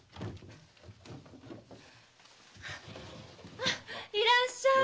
あいらっしゃい！